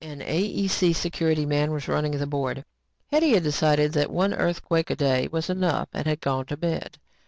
An AEC security man was running the board. Hetty had decided that one earthquake a day was enough and had gone to bed.